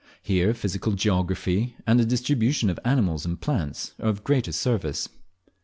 Here physical geography and the distribution of animals and plants are of the greatest service.